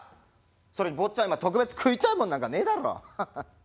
それに坊ちゃんが特別食いたいもんなんかねえだろハハ。